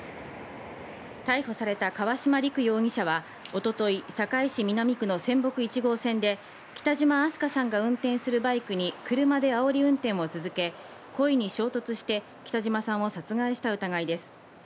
逮捕された川島陸容疑者は一昨日、堺市南区の泉北１号線で北島明日翔さんが運転するバイクに車であおり運転を続け、故意に衝突して北島さんを殺害した疑いです。